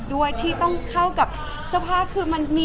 พอเสร็จจากเล็กคาเป็ดก็จะมีเยอะแยะมากมาย